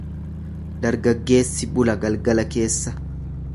Dargaggeessi bula galgala keessa.